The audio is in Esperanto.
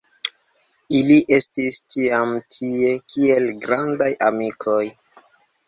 Ili estis tiam tie kiel grandaj amikoj.